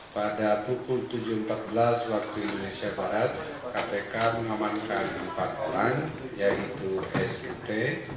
pada pukul tujuh empat belas waktu indonesia barat kpk mengamankan empat orang yaitu sit